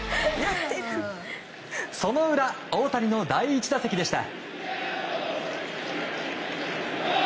その裏、大谷の第１打席でした。